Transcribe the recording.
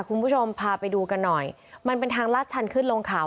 คุณผู้ชมพาไปดูกันหน่อยมันเป็นทางลาดชันขึ้นลงเขา